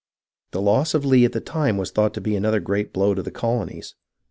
The loss of Lee at the time was thought to be another great blow to the colonies.